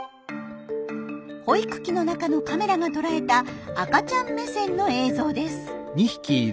保育器の中のカメラがとらえた赤ちゃん目線の映像です。